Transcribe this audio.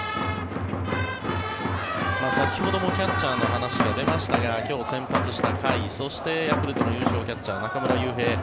先ほどもキャッチャーの話が出ましたが今日、先発した甲斐そしてヤクルトの優勝キャッチャー、中村悠平。